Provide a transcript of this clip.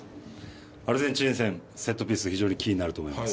アルゼンチン戦セットピース非常にキーになると思います。